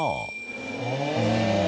うん。